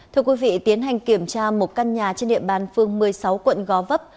thưa quý vị tiến hành kiểm tra một căn nhà trên địa bàn phương một mươi sáu quận gó vấp